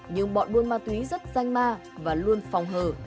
nhưng bọn buôn ma túy rất danh ma và luôn phòng hờ